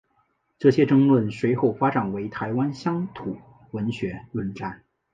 这些争论随后发展为台湾乡土文学论战。